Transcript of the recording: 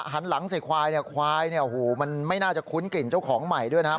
หันหลังใส่ควายควายมันไม่น่าจะคุ้นกลิ่นเจ้าของใหม่ด้วยนะครับ